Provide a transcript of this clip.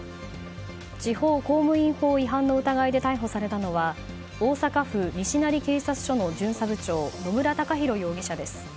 地方公務員法違反の疑いで逮捕されたのは大阪府西成警察署の巡査部長野村孝博容疑者です。